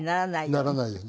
ならないように。